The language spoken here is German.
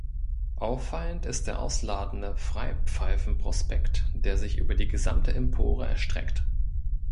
Auffallend ist der ausladende Freipfeifenprospekt, der sich über die gesamte Empore erstreckt.